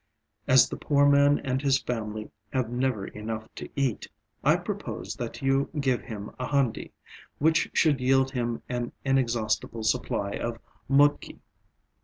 As the poor man and his family have never enough to eat, I propose that you give him a handi which should yield him an inexhaustible supply of mudki."